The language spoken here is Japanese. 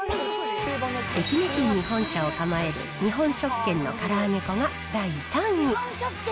愛媛県に本社を構える日本食研のから揚げ粉が第３位。